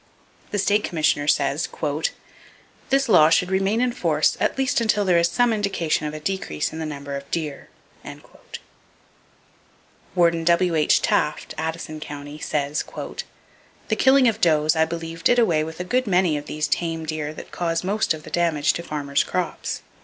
The State Commissioner says: "This law should remain in force at least until there is some indication of a decrease in the number of deer." Warden W.H. Taft (Addison County) says: "The killing of does I believe did away with a good many of these tame deer that cause most of the damage to farmers' crops."